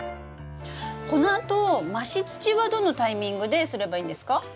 このあと増し土はどのタイミングですればいいんですか？